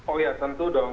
oh ya tentu dong